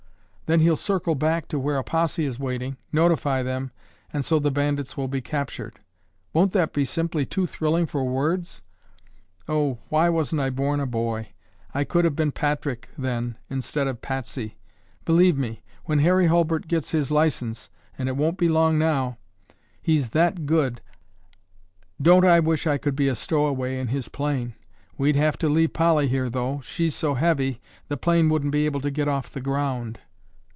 Then he'll circle back to where a posse is waiting, notify them, and so the bandits will be captured. Won't that be simply too thrilling for words? Oh, why wasn't I born a boy? I could have been Patrick, then, instead of Patsy. Believe me, when Harry Hulbert gets his license, and it won't be long now—he's that good—don't I wish I could be a stowaway in his plane! We'd have to leave Polly here though. She's so heavy, the plane wouldn't be able to get off of the ground."